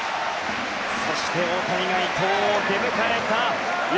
そして、大谷が伊藤を出迎えた。